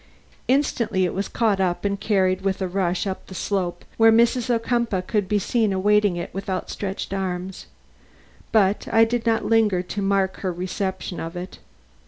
Instantly it was caught up and carried with a rush up the slope to where Mrs. Ocumpaugh could be seen awaiting it with outstretched arms. But I did not linger to mark her reception of it.